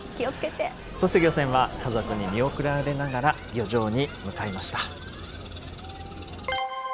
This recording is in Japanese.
そして漁船は、家族に見送られながら、漁場に向かいました。